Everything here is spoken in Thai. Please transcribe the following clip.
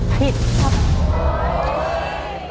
ผิดครับ